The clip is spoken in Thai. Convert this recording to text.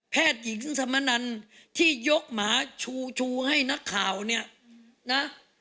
หญิงธรรมนันที่ยกหมาชูชูให้นักข่าวเนี่ยนะ